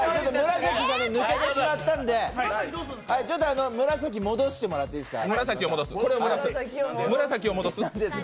紫が抜けてしまったんで紫、戻してもらっていいですか？